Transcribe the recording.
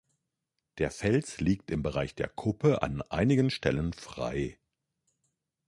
Der Fels liegt im Bereich der Kuppe an einigen Stellen frei.